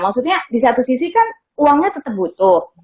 maksudnya di satu sisi kan uangnya tetap butuh